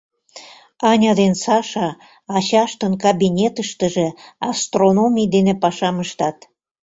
Аня ден Саша ачаштын кабинетыштыже астрономий дене пашам ыштат.